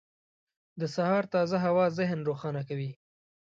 • د سهار تازه هوا ذهن روښانه کوي.